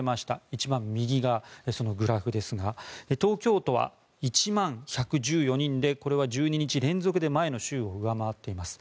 一番右がそのグラフですが東京都は１万１１４人でこれは１２日連続で前の週を上回っています。